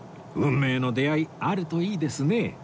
運命の出会いあるといいですね